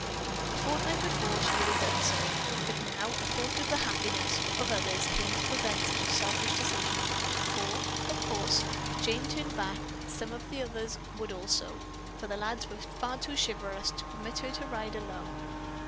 A fortnight before she would have done so, but now a thought for the happiness of others came to prevent such a selfish decision, for, of course, if Jane turned back, some of the others would also, for the lads were too chivalrous to permit her to ride alone.